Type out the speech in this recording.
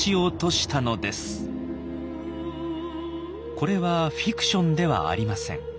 これはフィクションではありません。